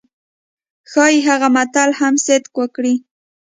ښايي هغه متل هم صدق وکړي.